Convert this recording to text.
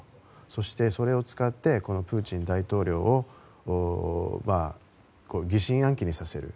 そして、それを使ってプーチン大統領を疑心暗鬼にさせる。